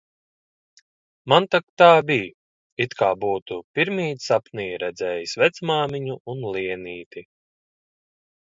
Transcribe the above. Man tak tā bij, it kā būtu pirmīt sapnī redzējis vecmāmiņu un Lienīti